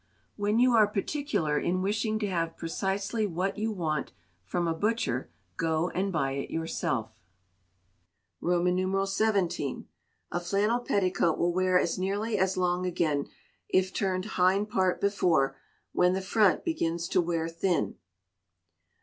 When you are particular in wishing to have precisely what you want from a butcher, go and buy it yourself. xvii. A flannel petticoat will wear as nearly as long again, if turned hind part before, when the front begins to wear thin.